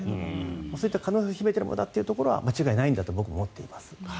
そういった可能性を秘めているものだと間違いないと僕は思っています。